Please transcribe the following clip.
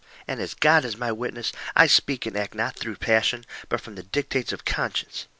"And as God is my witness, I speak and act not through passion, but from the dictates of conscience."